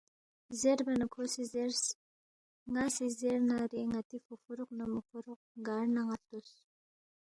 زیربا نہ کھو سی زیرس، ن٘ا سی زیرنارے ن٘تی فوفوروق نہ موفوروق گار نن٘ا ہلتوس